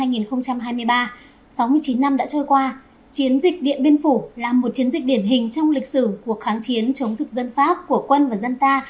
sáu mươi chín năm đã trôi qua chiến dịch điện biên phủ là một chiến dịch điển hình trong lịch sử cuộc kháng chiến chống thực dân pháp của quân và dân ta